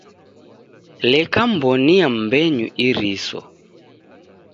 Leka mw'onia m'mbenyu iriso.